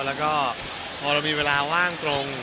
แล้วก็พอเรามีเวลาว่างตรง